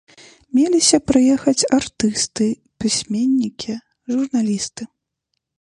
Меліся прыехаць артысты, пісьменнікі, журналісты.